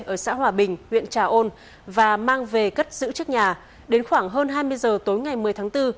ở xã hòa bình huyện trà ôn và mang về cất giữ trước nhà đến khoảng hơn hai mươi giờ tối ngày một mươi tháng bốn